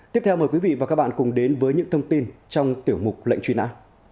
tiếp theo mời quý vị và các bạn cùng đến với những thông tin trong tiểu mục lệnh truy nã